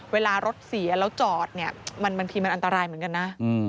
เวลารถเสียแล้วจอดเนี่ยบางทีมันอันตรายเหมือนกันนะ